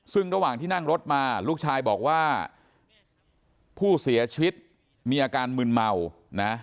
ซึ่งระหว่างที่นั่งรถมาลูกชายบอกว่าผู้เสียชีวิตมีอาการมึนเมานะ